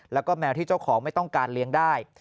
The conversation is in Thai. แล้วก็แมวที่เจ้าของไม่ต้องการเลี้ยงได้